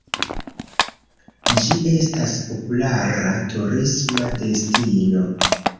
Ĝi estas populara turisma destino.